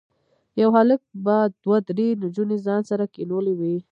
یو هلک به دوه درې نجونې ځان سره کېنولي وي.